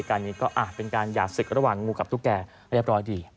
การนี้ก็อาจเป็นการหย่าศึกระหว่างงูกับตุ๊กแก่เรียบร้อยดี